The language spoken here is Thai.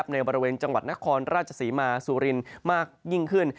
ในบริเวณจังหวัดนครราชศรีมาสุรินทร์มากยิ่งขึ้น